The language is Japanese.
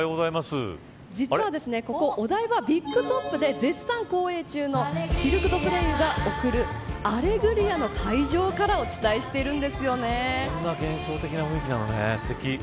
実は今ここ、お台場ビッグトップで絶賛公演中のシルク・ドゥ・ソレイユが贈るアレグリアの会場からそんな幻想的な雰囲気なのね。